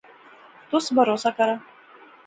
تس بھروسہ کرا